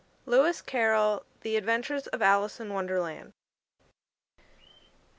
LEWIS CARROLL: "The Adventures of Alice in Wonderland."